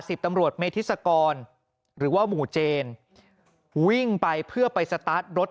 ตำรวจเมธิศกรหรือว่าหมู่เจนวิ่งไปเพื่อไปสตาร์ทรถ